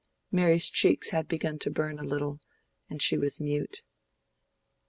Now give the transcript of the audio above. Mary's cheeks had begun to burn a little, and she was mute.